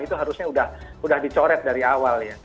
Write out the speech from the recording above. itu harusnya sudah dicoret dari awal ya